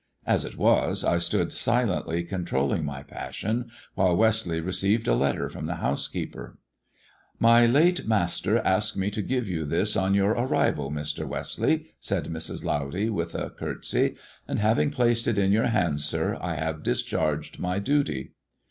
As it was, I stood silently controlling my passion, while Westleigh received a letter from the housekeeper, "My late master asked me to give you this on your arrival, Mr. Westleigh," said Mrs. Lowdy, with a curtsey, " and having placed it in your hands, sir, I have discharged •my duty."